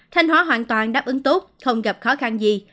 thanh hóa hoàn toàn đáp ứng tốt không gặp khó khăn gì